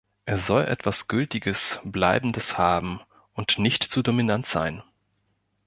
Er soll etwas gültiges bleibendes haben und nicht zu dominant sein.